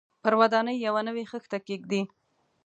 پر ودانۍ یوه نوې خښته کېږدي.